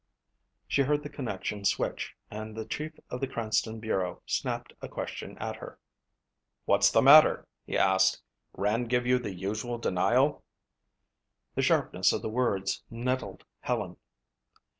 She heard the connection switch and the chief of the Cranston bureau snapped a question at her. "What's the matter?" he asked. "Rand give you the usual denial?" The sharpness of the words nettled Helen.